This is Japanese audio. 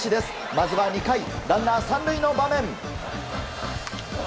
まずは２回、ランナー３塁の場面。